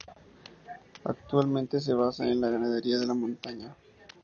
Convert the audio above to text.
Actualmente se basa en la ganadería de montaña.